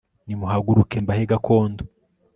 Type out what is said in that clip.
nimuhaguruke mbahe gakondo